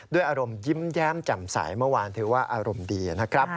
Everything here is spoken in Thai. ด้วยอารมณ์ยิ้มแย้มแจ่มใสเมื่อวานถือว่าอารมณ์ดีนะครับ